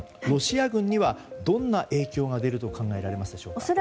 ロシア軍にはどんな影響が出ると考えられますでしょうか。